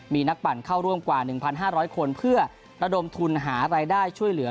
มีนักปั่นเข้าร่วมกว่า๑๕๐๐คนเพื่อระดมทุนหารายได้ช่วยเหลือ